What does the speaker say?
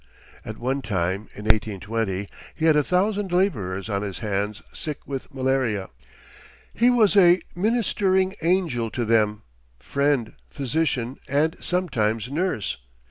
At one time, in 1820, he had a thousand laborers on his hands sick with malaria. He was a ministering angel to them, friend, physician, and sometimes nurse.